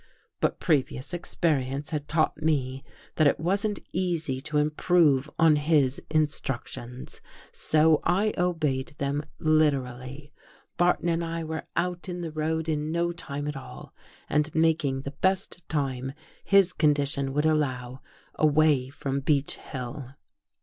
But previous experience had taught me that it wasn't easy to improve on his instructions. So I obeyed them literally. Barton and I were out in the road in no time at all, and making the best time his condition would allow away from Beech Hill.